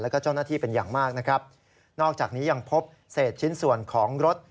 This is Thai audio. แล้วก็เจ้าหน้าที่เป็นอย่างมากนะครับนอกจากนี้ยังพบเศษชิ้นส่วนของรถ